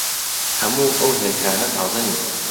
هەموو ئەو هێلکانە تازە نین.